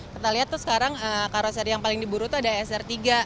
kita lihat tuh sekarang karoseri yang paling diburu tuh ada sr tiga